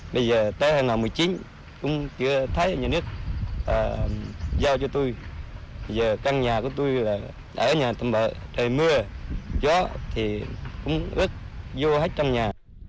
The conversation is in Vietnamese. bây giờ tới hai nghìn một mươi chín cũng chưa thấy nhà nước giao cho tôi bây giờ căn nhà của tôi là ở nhà tạm bờ trời mưa gió thì cũng ước vô hết trong nhà